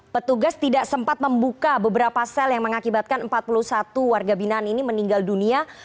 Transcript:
petugas tidak sempat membuka beberapa sel yang mengakibatkan empat puluh satu warga binaan ini meninggal dunia